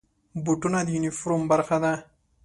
بوټونه د یونیفورم برخه ده.